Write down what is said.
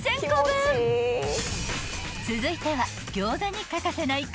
［続いては］